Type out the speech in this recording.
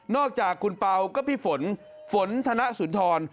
จากคุณเปล่าก็พี่ฝนฝนธนสุนทร